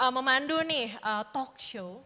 memandu nih talkshow